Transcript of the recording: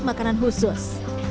dan makanan khusus